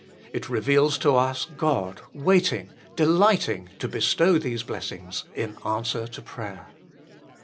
It reveals to us God waiting, delighting to bestow these blessings in answer to prayer.